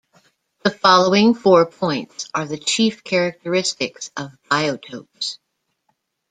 The following four points are the chief characteristics of biotopes.